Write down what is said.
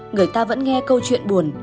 người ta vẫn nghe câu chuyện buồn